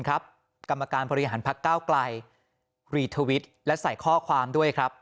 กรรมการบริหารพักเก้าไกลรีทวิตและใส่ข้อความด้วยครับ